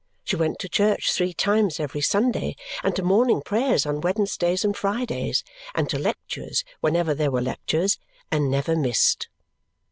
She went to church three times every Sunday, and to morning prayers on Wednesdays and Fridays, and to lectures whenever there were lectures; and never missed.